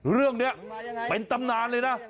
เรื่องนี้เป็นตำนานเลยนะ